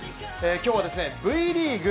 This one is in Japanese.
今日はＶリーグ